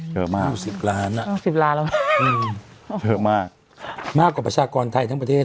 เจอมากอ้าว๑๐ล้านแล้วอื้อเจอมากมากกว่าประชากรไทยทั้งประเทศ